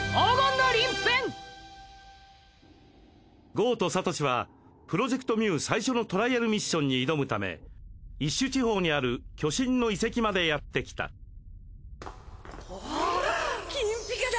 ゴウとサトシはプロジェクト・ミュウ最初のトライアルミッションに挑むためイッシュ地方にある巨神の遺跡までやって来た金ピカだ！